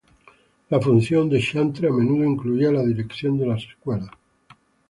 La función de chantre a menudo incluía la dirección de las escuelas.